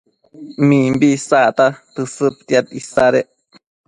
mimbi isacta tësëdtiad isadec